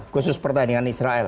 khusus pertandingan israel